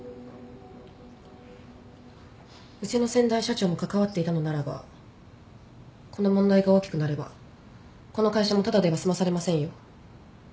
うちの先代社長も関わっていたのならばこの問題が大きくなればこの会社もただでは済まされませんよ。